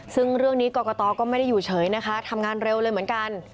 ซึ่งเรื่องนี้กรกตก็ไม่ได้อยู่เฉยนะคะทำงานเร็วเลยเหมือนกัน